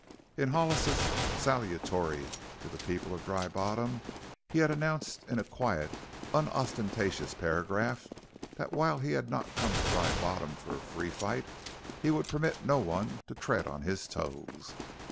In Hollis's "Salutatory" to the people of Dry Bottom he had announced in a quiet, unostentatious paragraph that while he had not come to Dry Bottom for a free fight, he would permit no one to tread on his toes.